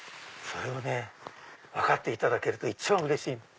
それをね分かっていただけると一番うれしい！